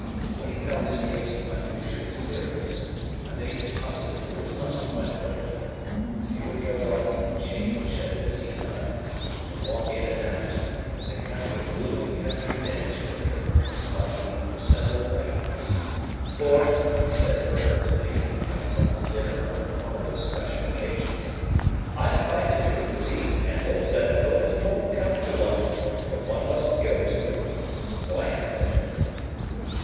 When he felt his case unusually serious, and that he positively must find an opening, he would go on 'Change at a busy time, and walk in and out, in a kind of gloomy country dance figure, among the assembled magnates. "For," says Herbert to me, coming home to dinner on one of those special occasions, "I find the truth to be, Handel, that an opening won't come to one, but one must go to it,—so I have been."